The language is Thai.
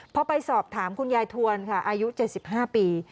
พอไปสอบถามคุณยายทวนค่ะอายุ๗๕ปี